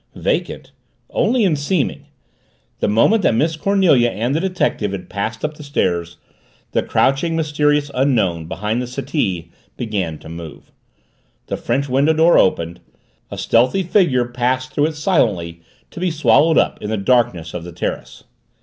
Vacant? Only in seeming. The moment that Miss Cornelia and the detective had passed up the stairs, the crouching, mysterious Unknown, behind the settee, began to move. The French window door opened a stealthy figure passed through it silently to be swallowed up in the darkness of the terrace.